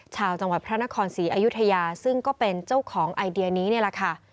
ชาวจังหวัดพระนครศรีอยุธยาซึ่งก็เป็นเจ้าของไอเดียนี้นี่แหละค่ะ